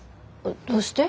どうして？